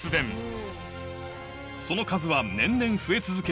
その数は年々増え続け